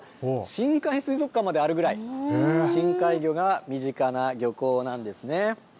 深海水族館まであるぐらい、深海魚が身近な漁港なんですね。